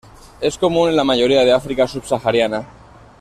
Es común en la mayoría de África subsahariana.